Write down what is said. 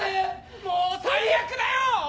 もう最悪だよ！